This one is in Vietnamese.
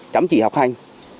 chấm chỉ học hành